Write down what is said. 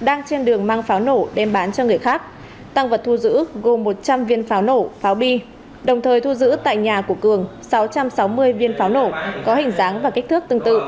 đang trên đường mang pháo nổ đem bán cho người khác tăng vật thu giữ gồm một trăm linh viên pháo nổ pháo bi đồng thời thu giữ tại nhà của cường sáu trăm sáu mươi viên pháo nổ có hình dáng và kích thước tương tự